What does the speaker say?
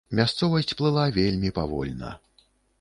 Мясцовасць плыла вельмі павольна.